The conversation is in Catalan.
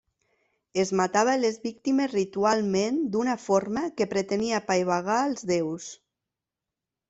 Es matava a les víctimes ritualment d'una forma que pretenia apaivagar als déus.